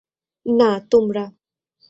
না, তোমরা!